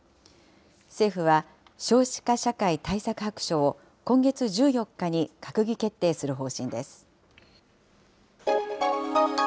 政府は、少子化社会対策白書を今月１４日に閣議決定する方針です。